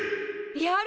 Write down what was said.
やる！